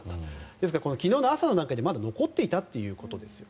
ですから、昨日の朝の段階でまだ残っていたということです。